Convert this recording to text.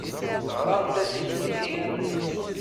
Teɣramt-as i Yidir?